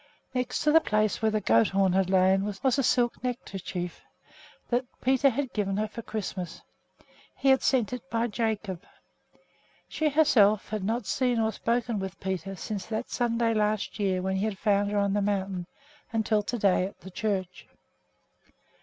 Next to the place where the goat horn had lain was a silk neckerchief that Peter had given her for Christmas. He had sent it by Jacob. She herself had not seen or spoken with Peter since that Sunday last year when he had found her on the mountain, until to day at the church.